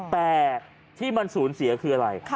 แต่ที่มันสูญเสียคืออะไร